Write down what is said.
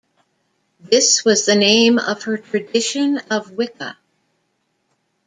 This was the name of her tradition of Wicca.